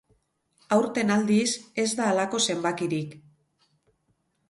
Aurten, aldiz, ez da halako zenbakirik.